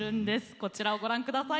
こちらをご覧下さい。